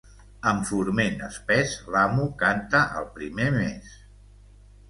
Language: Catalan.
Amb forment espès, l'amo canta el primer mes.